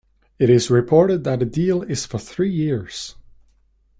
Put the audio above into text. It is reported that the deal is for three years.